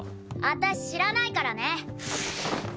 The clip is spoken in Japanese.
私知らないからね。